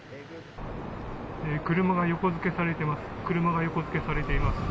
車が横付けされています。